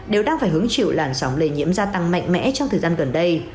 đều đang phải hứng chịu làn sóng lây nhiễm gia tăng mạnh mẽ trong thời gian gần đây